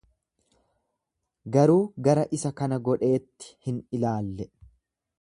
Garuu gara isa kana godheetti hin ilaalle.